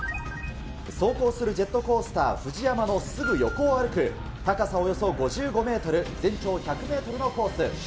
走行するジェットコースター、フジヤマのすぐ横を歩く、高さおよそ５５メートル、全長１００メートルのコース。